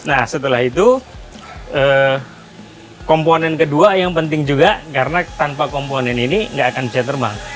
nah setelah itu komponen kedua yang penting juga karena tanpa komponen ini nggak akan bisa terbang